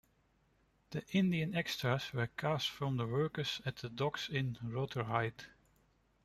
The Indian extras were cast from workers at the docks in Rotherhithe.